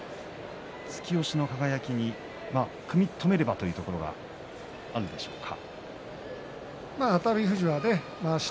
突き押しの輝に組み止めればというところがあるんでしょうか。